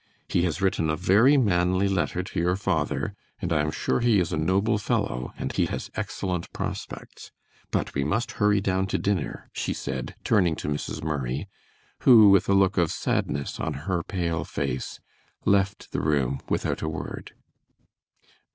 He has written a very manly letter to your father, and I am sure he is a noble fellow, and he has excellent prospects. But we must hurry down to dinner," she said, turning to Mrs. Murray, who with a look of sadness on her pale face, left the room without a word.